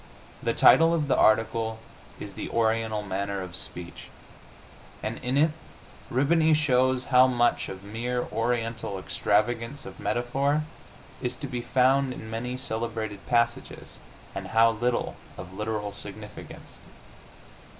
The title of the article is "The Oriental Manner of Speech," and in it Rihbany shows how much of mere Oriental extravagance of metaphor is to be found in many celebrated passages, and how little of literal significance.